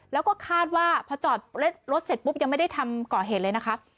แล้วก็คาดว่าพอจอดรถเสร็จปุ๊บยังไม่ได้ทำก่อเหตุเลยนะคะ